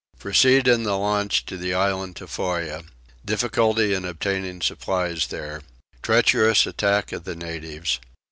Proceed in the Launch to the Island Tofoa. Difficulty in obtaining Supplies there. Treacherous Attack of the Natives.